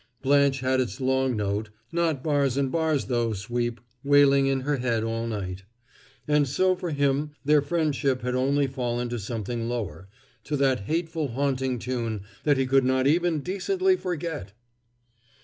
Blanche had its long note (not "bars and bars," though, Sweep) wailing in her head all night. And so for him their friendship had only fallen to something lower, to that hateful haunting tune that he could not even decently forget!